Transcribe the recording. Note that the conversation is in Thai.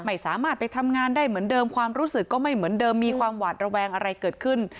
ไม่สามารถไปทำงานได้เหมือนเดิมความรู้สึกก็ไม่เหมือนเดิมมีความหวาดระแวงอะไรเกิดขึ้น